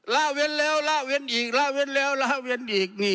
ละเว้นแล้วล่าเว้นอีกล่าเว้นแล้วล่าเว้นอีกนี่